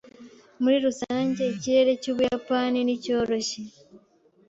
Muri rusange, ikirere cy'Ubuyapani ni cyoroshye.